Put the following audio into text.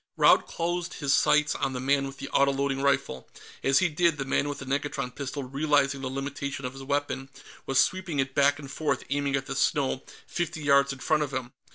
Raud closed his sights on the man with the autoloading rifle; as he did, the man with the negatron pistol, realizing the limitations of his weapon, was sweeping it back and forth, aiming at the snow fifty yards in front of him.